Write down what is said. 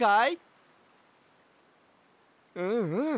うんうん。